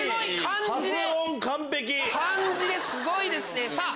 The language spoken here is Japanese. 漢字ですごいですね。